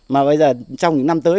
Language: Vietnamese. mà bây giờ trong những năm tới